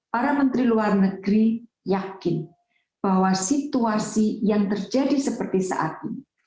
para menteri luar negeri yakin bahwa situasi yang terjadi seperti saat ini